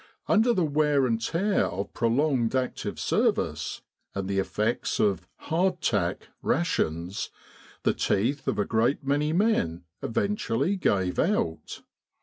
Under the wear and tear of prolonged active service, and the effects of "Hard tack " rations, the teeth of a great many men eventu ally gave out.